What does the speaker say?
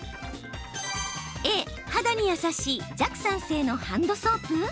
Ａ・肌に優しい弱酸性のハンドソープ？